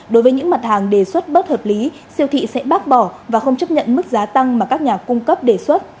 đối với những mặt hàng đề xuất bất hợp lý siêu thị sẽ bác bỏ và không chấp nhận mức giá tăng mà các nhà cung cấp đề xuất